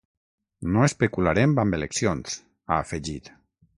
“No especularem amb eleccions”, ha afegit.